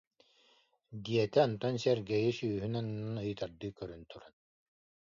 диэтэ, онтон Сергейи сүүһүн аннынан ыйытардыы көрөн туран: